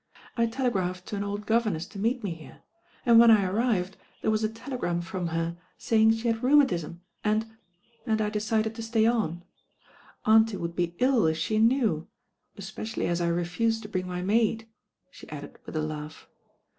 I telegraphed to an old governess to meet me ftere, and when I arrived there was a telegram from her saymg she had rheumatism, and— .ind I decided to stay on. Auntie would be iU if she knew, especially as I refused to bring my maid," she added with a laugh.